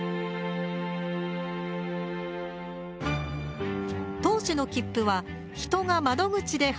当時の切符は人が窓口で販売していました。